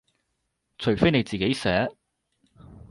除非你自己寫